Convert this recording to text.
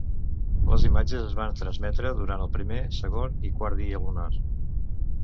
Les imatges es van transmetre durant el primer, segon i quart dia lunar.